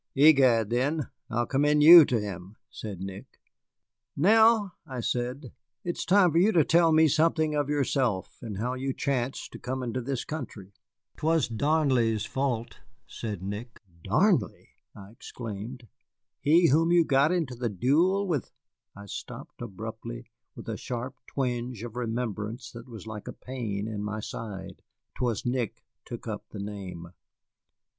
"Egad, then, I'll commend you to him," said Nick. "Now," I said, "it's time for you to tell me something of yourself, and how you chanced to come into this country." "'Twas Darnley's fault," said Nick. "Darnley!" I exclaimed; "he whom you got into the duel with " I stopped abruptly, with a sharp twinge of remembrance that was like a pain in my side. 'Twas Nick took up the name.